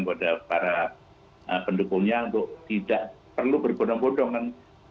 kepada para pendukungnya untuk tidak perlu berbodong bodongan